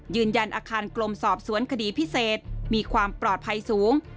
ยืนยันอาคารกรมสอบสวนคดีพิเศษมีความปลอดภัยสูง